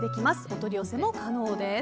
お取り寄せも可能です。